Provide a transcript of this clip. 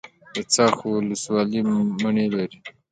د څرخ ولسوالۍ مڼې لري